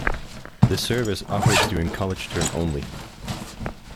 This service operates during college term only.